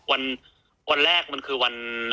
วันแรกมันคือวัน